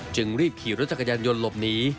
จึงรีบขี่รถจักรยานยนต์หลบหนี